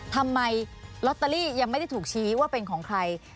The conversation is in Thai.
ทำไมลอตเตอรี่ยังไม่ได้ถูกชี้ว่าเป็นของใคร